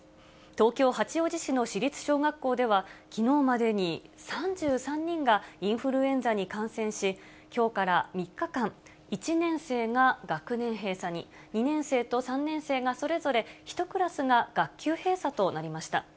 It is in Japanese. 東京・八王子市の市立小学校では、きのうまでに３３人がインフルエンザに感染し、きょうから３日間、１年生が学年閉鎖に、２年生と３年生がそれぞれ１クラスが学級閉鎖となりました。